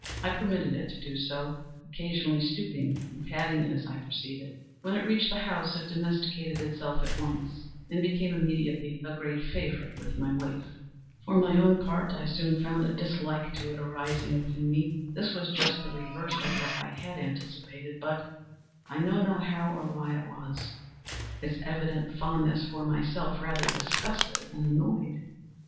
I permitted it to do so; occasionally stooping and patting it as I proceeded. When it reached the house it domesticated itself at once, and became immediately a great favorite with my wife. For my own part, I soon found a dislike to it arising within me. This was just the reverse of what I had anticipated; but—I know not how or why it was—its evident fondness for myself rather disgusted and annoyed.